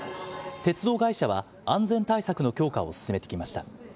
鉄道会社は安全対策の強化を進めてきました。